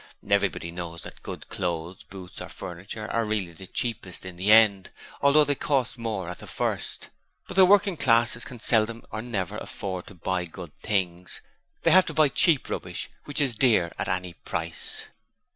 Everybody knows that good clothes, boots or furniture are really the cheapest in the end, although they cost more money at first; but the working classes can seldom or never afford to buy good things; they have to buy cheap rubbish which is dear at any price.